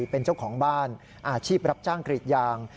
เป็นเจ้าของบ้านอาชีพรับจ้างกรีดยาง